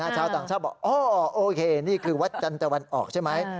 ชาวต่างชาติบอกอ๋อโอเคนี่คือวัดจันทร์ตะวันออกใช่ไหม